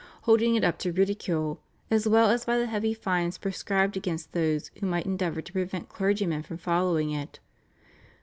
holding it up to ridicule, as well as by the heavy fines prescribed against those who might endeavour to prevent clergymen from following it.